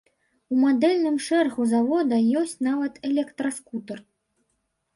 У мадэльным шэрагу завода ёсць нават электраскутар.